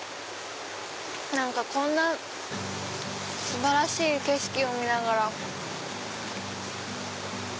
何かこんな素晴らしい景色を見ながら。